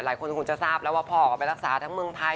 หลายคนคงจะทราบแล้วว่าพ่อก็ไปรักษาทั้งเมืองไทย